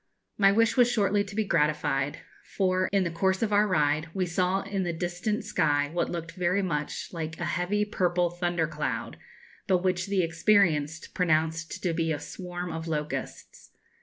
My wish was shortly to be gratified; for, in the course of our ride, we saw in the distant sky what looked very much like a heavy purple thunder cloud, but which the experienced pronounced to be a swarm of locusts.